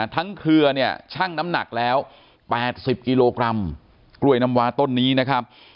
เครือเนี่ยชั่งน้ำหนักแล้ว๘๐กิโลกรัมกล้วยน้ำวาต้นนี้นะครับ